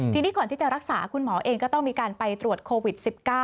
ทีนี้ก่อนที่จะรักษาคุณหมอเองก็ต้องมีการไปตรวจโควิด๑๙